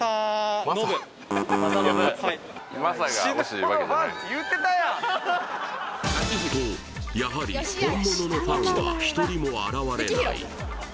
はいとやはり本物のファンは一人も現れない